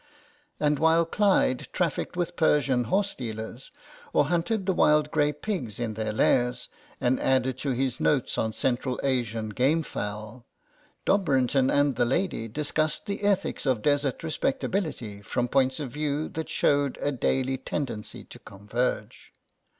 And while Clyde trafficked with Persian horse dealers or hunted the wild grey pigs in their lairs and added to his notes on Central Asian game fowl, Dobrinton and the lady discussed the ethics of desert respect ability from points of view that showed a daily tendency to converge.